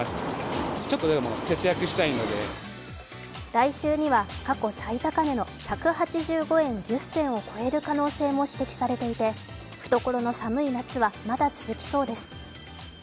来週には過去最高値の１８５円１０銭を超える可能性も指摘されていて、懐の寒い夏はまだ続きそうです。